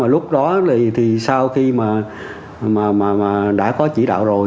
lúc đó thì sau khi mà đã có chỉ đạo rồi